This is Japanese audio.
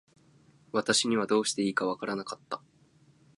私にはどうしていいか分らなかった。